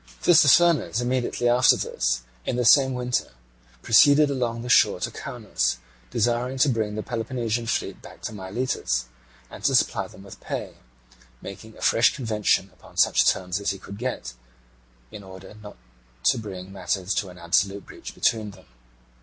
Tissaphernes immediately after this, in the same winter, proceeded along shore to Caunus, desiring to bring the Peloponnesian fleet back to Miletus, and to supply them with pay, making a fresh convention upon such terms as he could get, in order not to bring matters to an absolute breach between them.